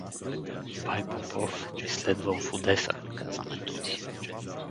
— Бай Попов е следвал в Одеса — каза Методи.